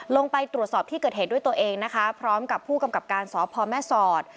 ลงไปตรวจสอบที่เกิดเหตุด้วยตัวเองกับถามผู้กรรมกรรมการสพแม่ศร